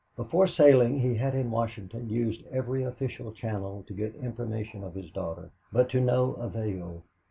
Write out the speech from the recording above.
Before sailing, he had in Washington used every official channel to get information of his daughter, but to no avail.